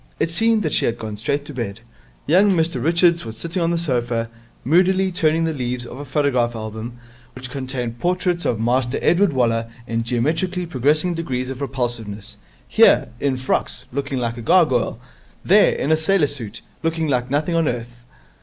It seemed that she had gone straight to bed. Young Mr Richards was sitting on the sofa, moodily turning the leaves of a photograph album, which contained portraits of Master Edward Waller in geometrically progressing degrees of repulsiveness here, in frocks, looking like a gargoyle; there, in sailor suit, looking like nothing on earth.